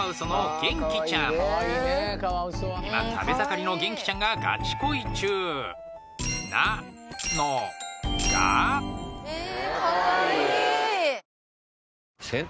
今食べ盛りのげんきちゃんがガチ恋中なのがえぇ。